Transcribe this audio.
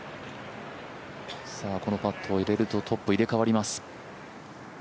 さあこのパットを入れるとトップ入れ替わります。